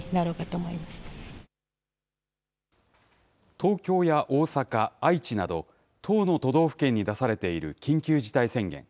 東京や大阪、愛知など、１０の都道府県に出されている緊急事態宣言。